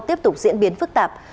tiếp tục diễn biến phức tạp